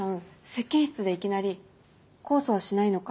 接見室でいきなり「控訴はしないのか？」